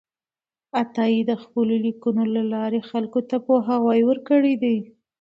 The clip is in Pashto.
عطایي د خپلو لیکنو له لارې خلکو ته پوهاوی ورکړی دی.